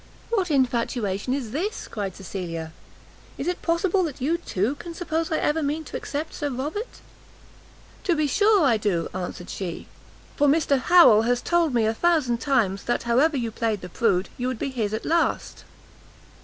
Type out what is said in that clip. "What infatuation is this!" cried Cecilia, "is it possible that you, too, can suppose I ever mean to accept Sir Robert?" "To be sure I do," answered she, "for Mr Harrel has told me a thousand times, that however you played the prude, you would be his at last."